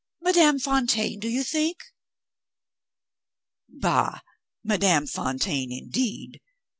Madame Fontaine, do you think?" "Bah! Madame Fontaine, indeed!